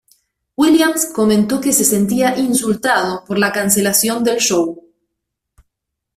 Williams comentó que se sentía "insultado" por la cancelación del show.